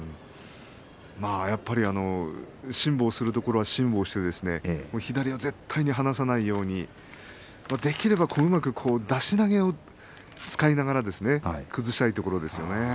やっぱり辛抱するところは辛抱して左を絶対に離さないようにできれば、うまく出し投げを使いながら崩したいところですよね。